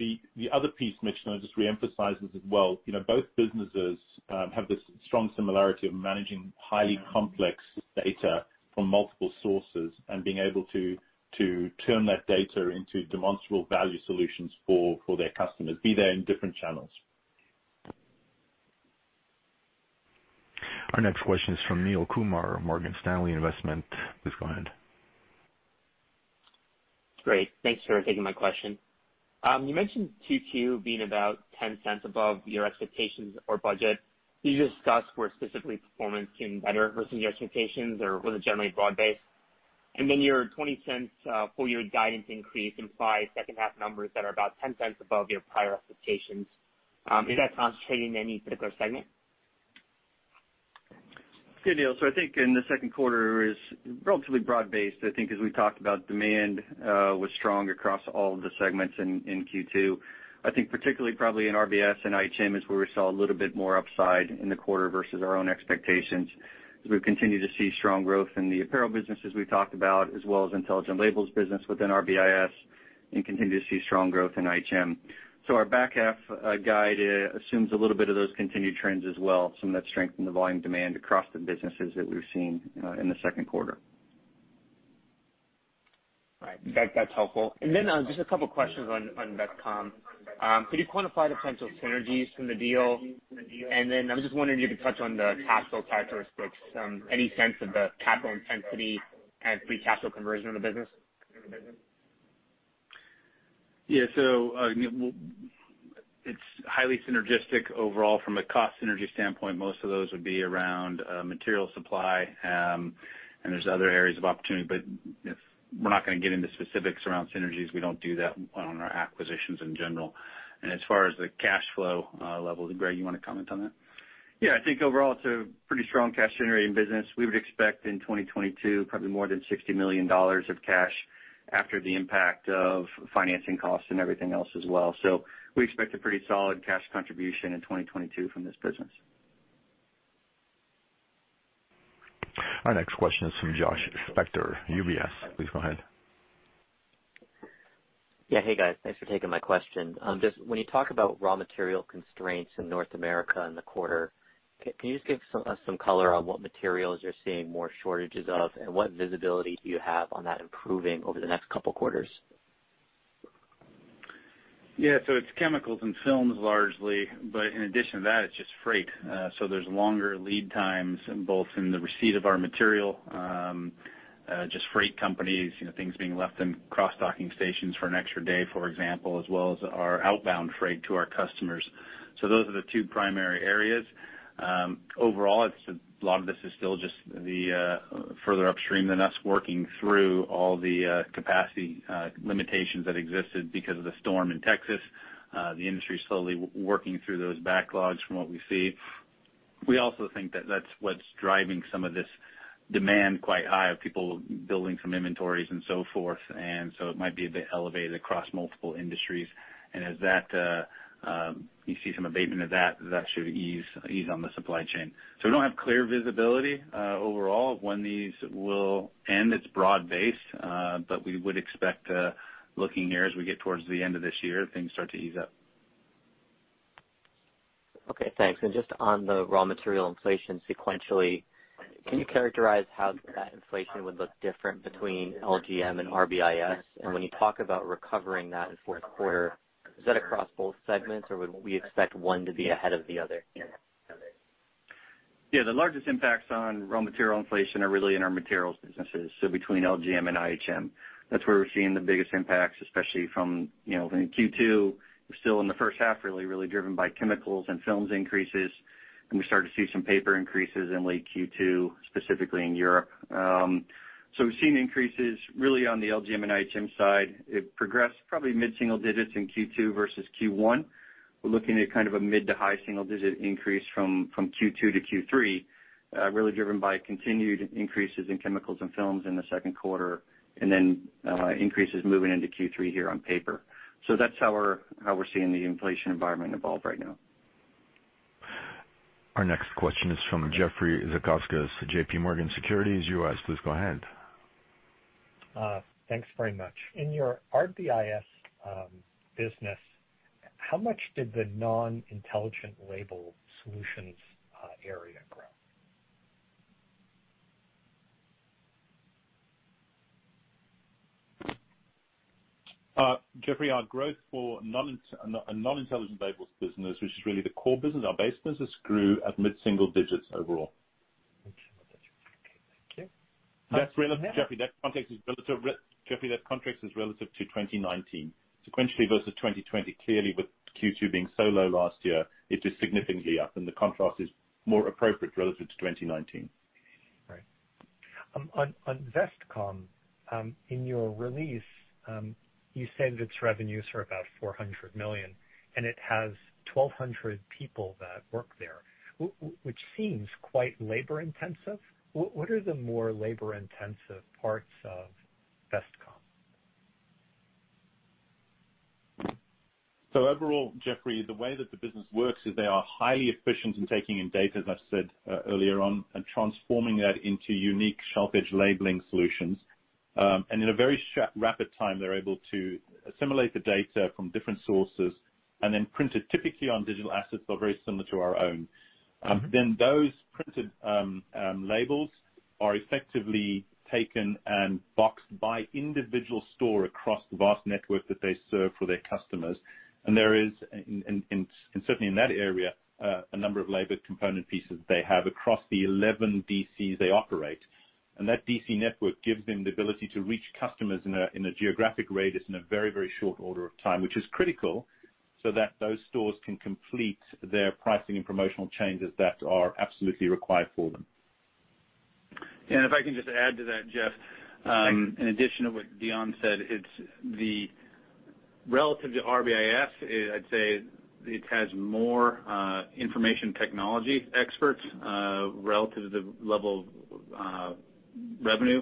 the other piece, Mitch, and I'll just reemphasize this as well, both businesses have this strong similarity of managing highly complex data from multiple sources and being able to turn that data into demonstrable value solutions for their customers, be they in different channels. Our next question is from Neel Kumar of Morgan Stanley, please go ahead. Great. Thanks for taking my question. You mentioned 2Q being about $0.10 above your expectations or budget. Can you discuss where specifically performance came better versus your expectations or was it generally broad-based? Your $0.20 full-year guidance increase implies second half numbers that are about $0.10 above your prior expectations. Is that concentrated in any particular segment? Good, Neel. I think in the second quarter, it was relatively broad-based. I think as we talked about, demand was strong across all of the segments in Q2. I think particularly probably in RBIS and IHM is where we saw a little bit more upside in the quarter versus our own expectations, as we've continued to see strong growth in the apparel businesses we've talked about, as well as Intelligent Labels business within RBIS, and continue to see strong growth in IHM. Our back half guide assumes a little bit of those continued trends as well, some of that strength in the volume demand across the businesses that we've seen in the second quarter. Right. That's helpful. Just a couple questions on Vestcom. Could you quantify the potential synergies from the deal? I'm just wondering if you could touch on the capital characteristics, any sense of the capital intensity and free capital conversion of the business? Yeah. It's highly synergistic overall from a cost synergy standpoint. Most of those would be around material supply, and there's other areas of opportunity, but we're not going to get into specifics around synergies. We don't do that on our acquisitions in general. As far as the cash flow level, Greg, you want to comment on that? Yeah, I think overall it's a pretty strong cash-generating business. We would expect in 2022 probably more than $60 million of cash after the impact of financing costs and everything else as well. We expect a pretty solid cash contribution in 2022 from this business. Our next question is from Josh Spector UBS, please go ahead. Yeah. Hey, guys. Thanks for taking my question. Just when you talk about raw material constraints in North America in the quarter, can you just give us some color on what materials you're seeing more shortages of, and what visibility do you have on that improving over the next couple quarters? Yeah. It's chemicals and films largely. In addition to that, it's just freight. There's longer lead times both in the receipt of our material, just freight companies, things being left in cross-docking stations for an extra day, for example, as well as our outbound freight to our customers. Those are the two primary areas. Overall, a lot of this is still just further upstream than us working through all the capacity limitations that existed because of the storm in Texas. The industry's slowly working through those backlogs from what we see. We also think that that's what's driving some of this demand quite high of people building some inventories and so forth. It might be a bit elevated across multiple industries. As you see some abatement of that should ease on the supply chain. We don't have clear visibility overall of when these will end. It's broad-based. We would expect, looking here as we get towards the end of this year, things start to ease up. Okay, thanks. Just on the raw material inflation sequentially, can you characterize how that inflation would look different between LGM and RBIS? When you talk about recovering that in fourth quarter, is that across both segments, or would we expect one to be ahead of the other here? Yeah. The largest impacts on raw material inflation are really in our materials businesses, so between LGM and IHM. That's where we're seeing the biggest impacts, especially from Q2. We're still in the first half really, driven by chemicals and films increases. We started to see some paper increases in late Q2, specifically in Europe. We've seen increases really on the LGM and IHM side. It progressed probably mid-single digits in Q2 versus Q1. We're looking at kind of a mid to high single digit increase from Q2 to Q3, really driven by continued increases in chemicals and films in the second quarter, and then increases moving into Q3 here on paper. That's how we're seeing the inflation environment evolve right now. Our next question is from Jeffrey Zekauskas, JPMorgan Securities U.S., please go ahead. Thanks very much. In your RBIS business, how much did the non-Intelligent Labels solutions area grow? Jeffrey, our growth for non-Intelligent Labels business, which is really the core business, our base business grew at mid-single digits overall. Okay. Thank you. Jeffrey, that context is relative to 2019. Sequentially versus 2020, clearly with Q2 being so low last year, it is significantly up, and the contrast is more appropriate relative to 2019. Right. On Vestcom, in your release, you said its revenues are about $400 million, and it has 1,200 people that work there, which seems quite labor intensive. What are the more labor intensive parts of Vestcom? Overall, Jeffrey, the way that the business works is they are highly efficient in taking in data, as I've said earlier on, and transforming that into unique shelf-edge labeling solutions. In a very rapid time, they're able to assimilate the data from different sources and then print it typically on digital assets that are very similar to our own. Those printed labels are effectively taken and boxed by individual store across the vast network that they serve for their customers. There is, and certainly in that area, a number of labor component pieces they have across the 11 DCs they operate. That DC network gives them the ability to reach customers in a geographic radius in a very short order of time, which is critical so that those stores can complete their pricing and promotional changes that are absolutely required for them. If I can just add to that, Jeff. In addition to what Deon said, relative to RBIS, I'd say it has more information technology experts relative to the level of revenue,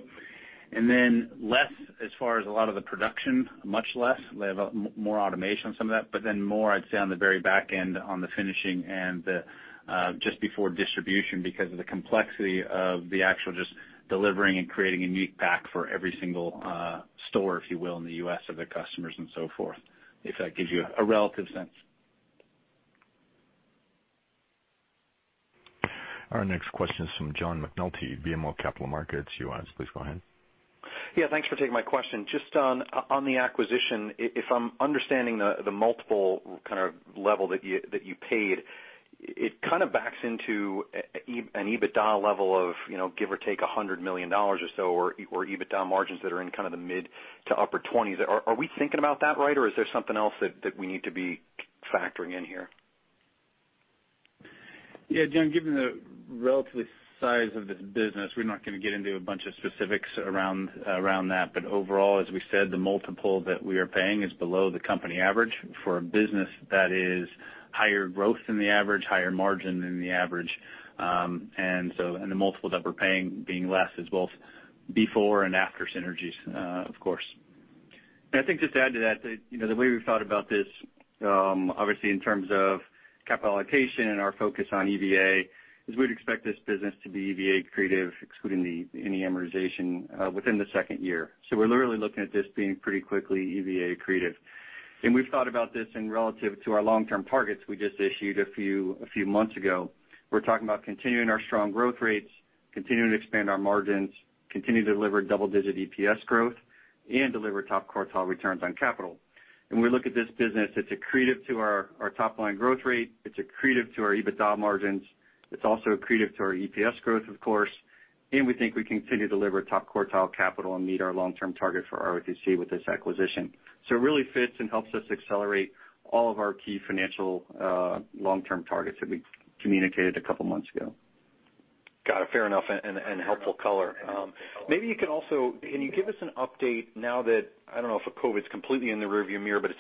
and then less as far as a lot of the production, much less. They have more automation on some of that. More, I'd say, on the very back end on the finishing and just before distribution because of the complexity of the actual just delivering and creating a unique pack for every single store, if you will, in the U.S. of their customers and so forth, if that gives you a relative sense. Our next question is from John McNulty, BMO Capital Markets U.S., please go ahead. Yeah, thanks for taking my question. Just on the acquisition, if I am understanding the multiple kind of level that you paid, it kind of backs into an EBITDA level of give or take $100 million or so, or EBITDA margins that are in the mid to upper 20s%. Are we thinking about that right, or is there something else that we need to be factoring in here? Yeah, John, given the relative size of this business, we're not going to get into a bunch of specifics around that. Overall, as we said, the multiple that we are paying is below the company average for a business that is higher growth than the average, higher margin than the average. The multiple that we're paying being less is both before and after synergies, of course. I think just to add to that, the way we've thought about this, obviously in terms of capital allocation and our focus on EVA, is we'd expect this business to be EVA accretive, excluding any amortization, within the second year. We're literally looking at this being pretty quickly EVA accretive. We've thought about this in relative to our long-term targets we just issued a few months ago. We're talking about continuing our strong growth rates, continuing to expand our margins, continue to deliver double-digit EPS growth, and deliver top quartile returns on capital. We look at this business, it's accretive to our top-line growth rate. It's accretive to our EBITDA margins. It's also accretive to our EPS growth, of course. We think we continue to deliver top quartile capital and meet our long-term target for ROIC with this acquisition. It really fits and helps us accelerate all of our key financial long-term targets that we communicated a couple of months ago. Got it. Fair enough and helpful color. Maybe you can also, can you give us an update now that, I don't know if COVID's completely in the rearview mirror, but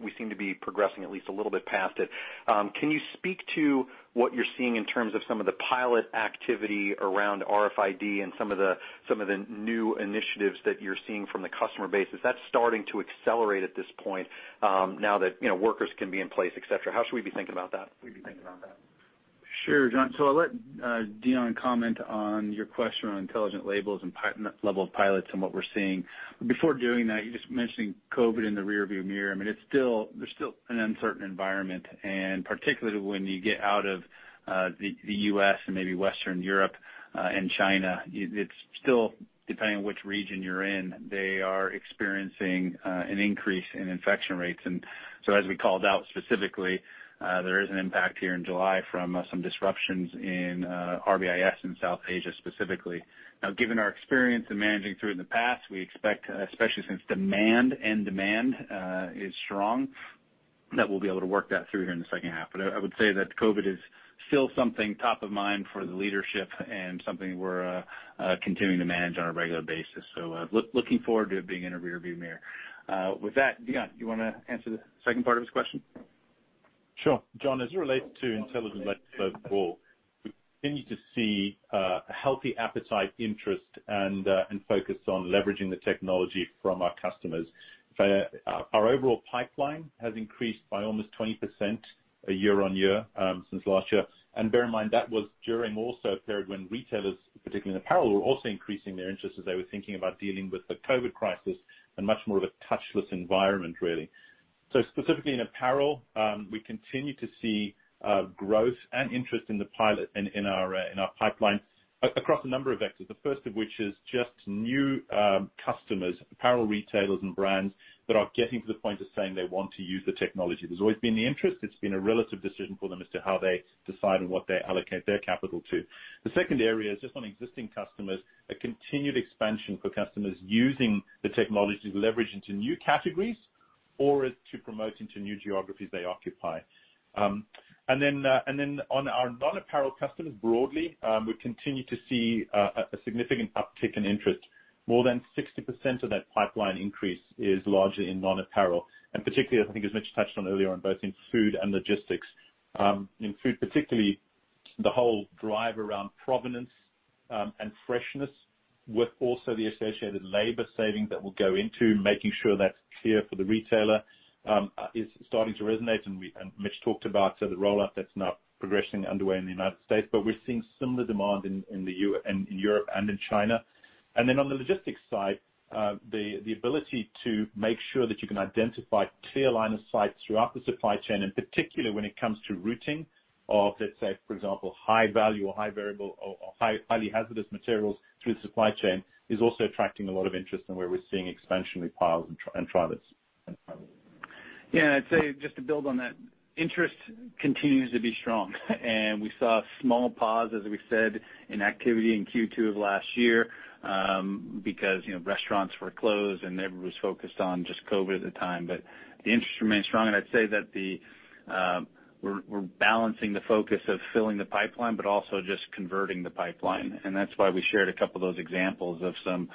we seem to be progressing at least a little bit past it. Can you speak to what you're seeing in terms of some of the pilot activity around RFID and some of the new initiatives that you're seeing from the customer base? Is that starting to accelerate at this point now that workers can be in place, et cetera? How should we be thinking about that? Sure, John. I'll let Deon comment on your question on Intelligent Labels and level of pilots and what we're seeing. Before doing that, you just mentioning COVID in the rearview mirror. There's still an uncertain environment, particularly when you get out of the U.S. and maybe Western Europe and China, it's still depending on which region you're in, they are experiencing an increase in infection rates. As we called out specifically, there is an impact here in July from some disruptions in RBIS in South Asia, specifically. Now, given our experience in managing through in the past, we expect, especially since demand, end-demand is strong, that we'll be able to work that through here in the second half. I would say that COVID is still something top of mind for the leadership and something we're continuing to manage on a regular basis. Looking forward to it being in a rearview mirror. With that, Deon, do you want to answer the second part of his question? Sure. John, as it relates to Intelligent Labels overall, we continue to see a healthy appetite, interest, and focus on leveraging the technology from our customers. Our overall pipeline has increased by almost 20% year-on-year since last year. Bear in mind, that was during also a period when retailers, particularly in apparel, were also increasing their interest as they were thinking about dealing with the COVID crisis and much more of a touchless environment, really. Specifically in apparel, we continue to see growth and interest in the pilot and in our pipeline across a number of vectors. The first of which is just new customers, apparel retailers and brands that are getting to the point of saying they want to use the technology. There's always been the interest. It's been a relative decision for them as to how they decide and what they allocate their capital to. The second area is just on existing customers, a continued expansion for customers using the technology to leverage into new categories or to promote into new geographies they occupy. On our non-apparel customers broadly, we continue to see a significant uptick in interest. More than 60% of that pipeline increase is largely in non-apparel, and particularly, I think as Mitch touched on earlier on both in food and logistics. In food, particularly, the whole drive around provenance and freshness with also the associated labor savings that will go into making sure that's clear for the retailer, is starting to resonate. Mitch talked about the rollout that's now progressing underway in the United States. We're seeing similar demand in Europe and in China. On the logistics side, the ability to make sure that you can identify clear line of sight throughout the supply chain, and particularly when it comes to routing of, let's say, for example, high value or highly hazardous materials through the supply chain, is also attracting a lot of interest and where we're seeing expansion with pilots and trials. Yeah, I'd say, just to build on that, interest continues to be strong. We saw a small pause, as we said, in activity in Q2 of last year, because restaurants were closed, and everyone was focused on just COVID-19 at the time. The interest remains strong, and I'd say that we're balancing the focus of filling the pipeline, but also just converting the pipeline. That's why we shared a couple of those examples of some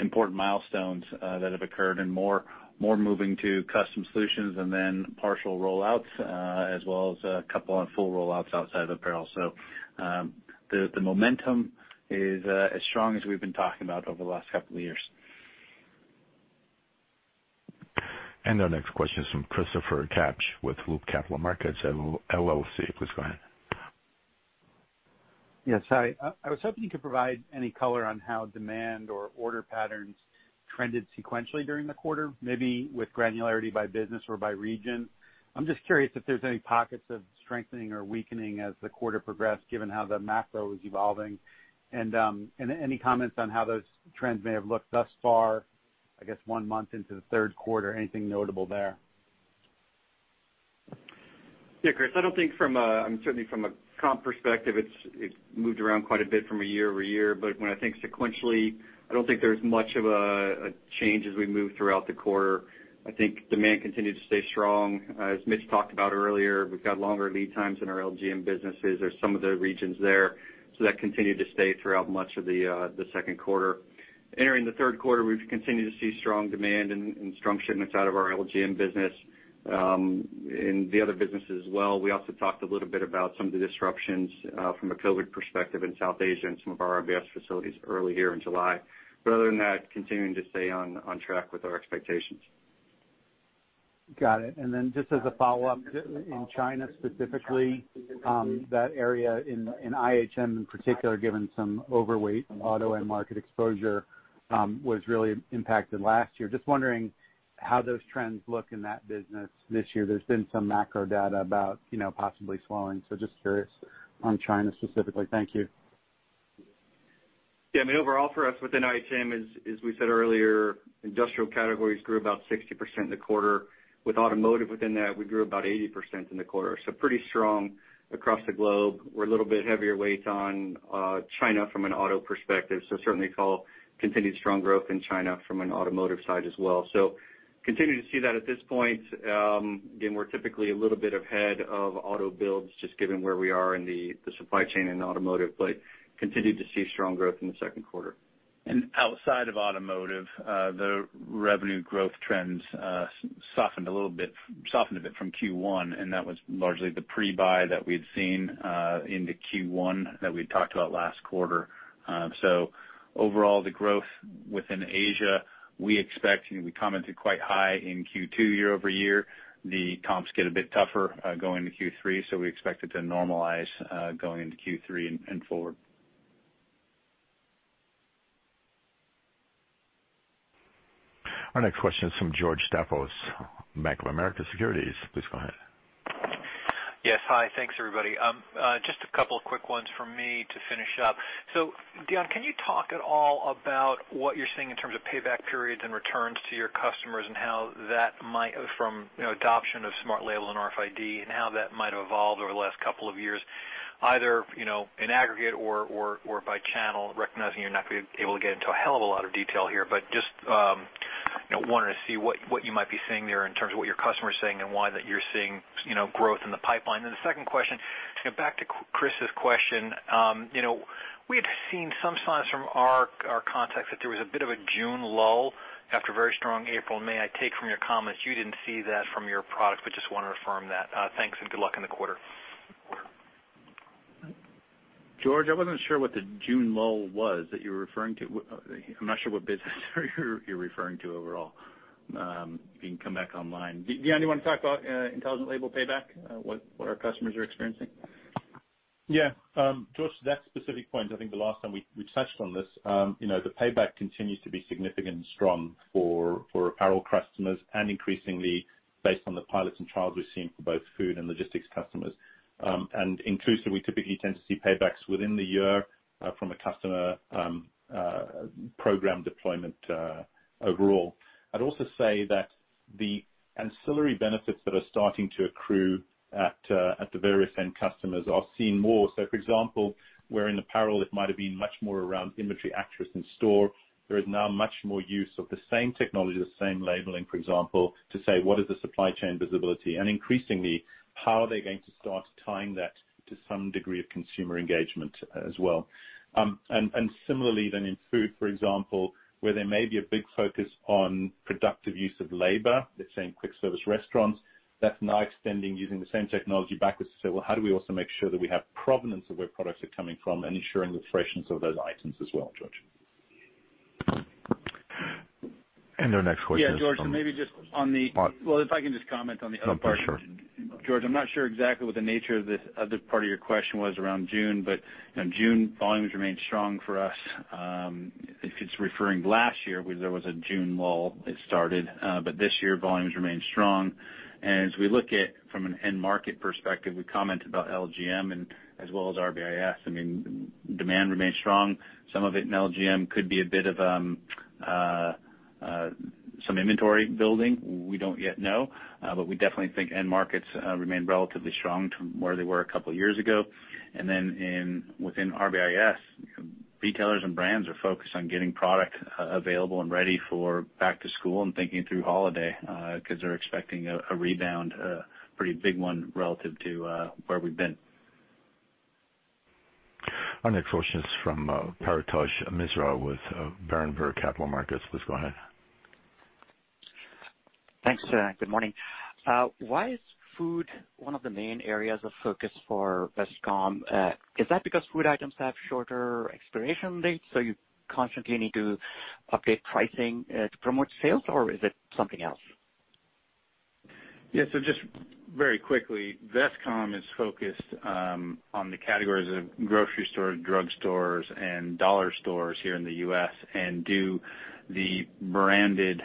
important milestones that have occurred and more moving to custom solutions and then partial rollouts, as well as a couple on full rollouts outside of apparel. The momentum is as strong as we've been talking about over the last couple of years. Our next question is from Christopher Kapsch with Loop Capital Markets LLC, please go ahead. Yes. Hi. I was hoping you could provide any color on how demand or order patterns trended sequentially during the quarter, maybe with granularity by business or by region. I'm just curious if there's any pockets of strengthening or weakening as the quarter progressed, given how the macro is evolving. Any comments on how those trends may have looked thus far, I guess, 1 month into the third quarter, anything notable there? Yeah, Chris, I don't think from a certainly from a comp perspective, it's moved around quite a bit from a year-over-year. When I think sequentially, I don't think there's much of a change as we move throughout the quarter. I think demand continued to stay strong. As Mitch talked about earlier, we've got longer lead times in our LGM businesses or some of the regions there. That continued to stay throughout much of the second quarter. Entering the third quarter, we've continued to see strong demand and strong shipments out of our LGM business, and the other business as well. We also talked a little bit about some of the disruptions from a COVID perspective in South Asia and some of our RBIS facilities early here in July. Other than that, continuing to stay on track with our expectations. Got it. Just as a follow-up, in China specifically, that area in IHM in particular, given some overweight in auto and market exposure, was really impacted last year. Just wondering how those trends look in that business this year. There's been some macro data about possibly slowing. Just curious on China specifically. Thank you. Yeah, I mean, overall for us within IHM, as we said earlier, industrial categories grew about 60% in the quarter. With automotive within that, we grew about 80% in the quarter. Pretty strong across the globe. We're a little bit heavier weight on China from an auto perspective, certainly call continued strong growth in China from an automotive side as well. Continue to see that at this point. Again, we're typically a little bit ahead of auto builds just given where we are in the supply chain in automotive, continued to see strong growth in the second quarter. Outside of automotive, the revenue growth trends softened a bit from Q1, and that was largely the pre-buy that we'd seen into Q1 that we'd talked about last quarter. Overall, the growth within Asia, we expect, we commented quite high in Q2 year-over-year. The comps get a bit tougher going to Q3, we expect it to normalize going into Q3 and forward. Our next question is from George Staphos, Bank of America Securities, please go ahead. Yes. Hi? Thanks, everybody. Just a couple of quick ones from me to finish up. Deon Stander, can you talk at all about what you're seeing in terms of payback periods and returns to your customers and how that might, from adoption of smart label and RFID, and how that might have evolved over the last couple of years, either in aggregate or by channel, recognizing you're not going to be able to get into a hell of a lot of detail here. Just, wanted to see what you might be seeing there in terms of what your customer is saying and why that you're seeing growth in the pipeline. The second question, to get back to Chris' question. We had seen some signs from our contacts that there was a bit of a June lull after a very strong April and May. I take from your comments, you didn't see that from your product, but just want to affirm that. Thanks, and good luck in the quarter. George, I wasn't sure what the June lull was that you were referring to. I'm not sure what business you're referring to overall. You can come back online. Deon, do you want to talk about Intelligent Labels payback, what our customers are experiencing? Yeah. George, to that specific point, I think the last time we touched on this, the payback continues to be significant and strong for apparel customers and increasingly based on the pilots and trials we've seen for both food and logistics customers. Intuitively, we typically tend to see paybacks within the year from a customer program deployment overall. I'd also say that the ancillary benefits that are starting to accrue at the various end customers are seen more. For example, where in apparel it might have been much more around inventory accuracy in store, there is now much more use of the same technology, the same labeling, for example, to say what is the supply chain visibility? Increasingly, how are they going to start tying that to some degree of consumer engagement as well? Similarly then in food, for example, where there may be a big focus on productive use of labor, let's say in quick service restaurants, that's now extending using the same technology backwards to say, well, how do we also make sure that we have provenance of where products are coming from and ensuring the freshness of those items as well, George. Our next question is from. Yeah, George, maybe Well, if I can just comment on the other part. Oh, sure. George, I'm not sure exactly what the nature of this other part of your question was around June. June volumes remained strong for us. If it's referring to last year, there was a June lull that started. This year, volumes remained strong. As we look at it from an end market perspective, we comment about LGM and as well as RBIS. Demand remained strong. Some of it in LGM could be a bit of some inventory building. We don't yet know. We definitely think end markets remain relatively strong to where they were a couple of years ago. Within RBIS, retailers and brands are focused on getting product available and ready for back to school and thinking through holiday, because they're expecting a rebound, a pretty big one relative to where we've been. Our next question is from Paretosh Misra with Berenberg Capital Markets, please go ahead. Thanks. Good morning. Why is food one of the main areas of focus for Vestcom? Is that because food items have shorter expiration dates, so you constantly need to update pricing to promote sales, or is it something else? Just very quickly, Vestcom is focused on the categories of grocery stores, drugstores, and dollar stores here in the U.S. and do the branded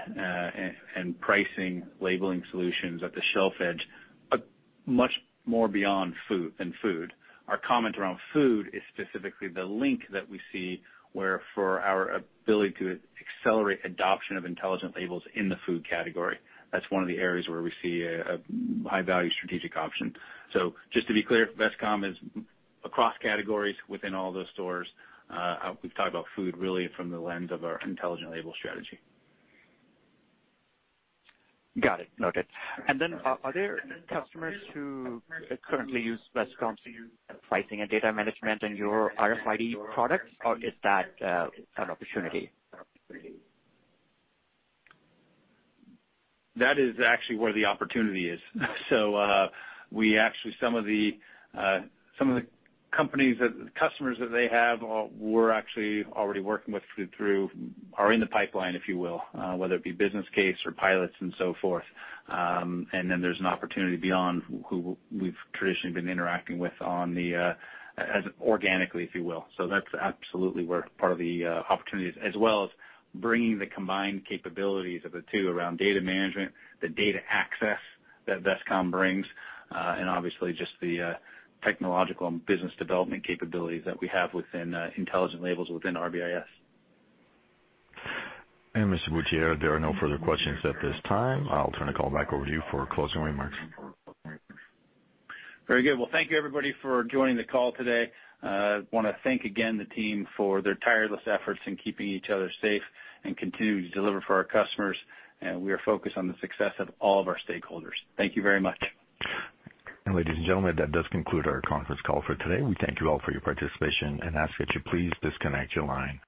and pricing labeling solutions at the shelf edge, but much more beyond food than food. Our comment around food is specifically the link that we see where for our ability to accelerate adoption of Intelligent Labels in the food category. That's one of the areas where we see a high-value strategic option. Just to be clear, Vestcom is across categories within all those stores. We talk about food really from the lens of our Intelligent Label strategy. Got it. Noted. Are there customers who currently use Vestcom's pricing and data management in your RFID products, or is that an opportunity? That is actually where the opportunity is. Actually, some of the companies that the customers that they have, we're actually already working with through are in the pipeline, if you will, whether it be business case or pilots and so forth. There's an opportunity beyond who we've traditionally been interacting with organically, if you will. That's absolutely where part of the opportunity is, as well as bringing the combined capabilities of the two around data management, the data access that Vestcom brings, and obviously just the technological and business development capabilities that we have within Intelligent Labels within RBIS. Mr. Butier, there are no further questions at this time. I'll turn the call back over to you for closing remarks. Very good. Well, thank you, everybody, for joining the call today. Want to thank again the team for their tireless efforts in keeping each other safe and continuing to deliver for our customers. We are focused on the success of all of our stakeholders. Thank you very much. Ladies and gentlemen, that does conclude our conference call for today. We thank you all for your participation and ask that you please disconnect your line.